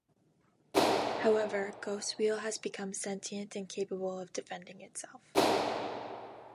However, Ghostwheel has become sentient and capable of defending itself.